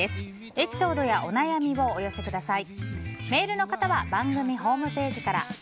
エピソードやお悩みをお寄せください。